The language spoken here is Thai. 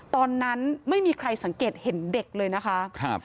ตอนนั้นไม่มีใครสังเกตเห็นเด็กเลยนะคะ